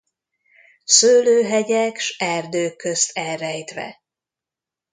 Szőlőhegyek s erdők közt elrejtve.